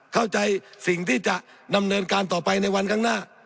เข้าใจสิ่งที่จะดำเนินการต่อไปในวันข้างหน้า